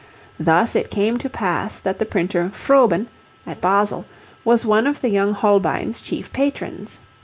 Thus it came to pass that the printer Froben, at Basle, was one of the young Holbein's chief patrons.